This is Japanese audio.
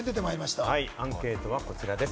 アンケートはこちらです。